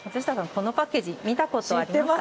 このパッケージ見たことありますか？